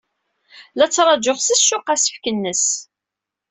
La ttṛajuɣ s ccuq asefk-nnes.